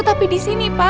tapi disini pak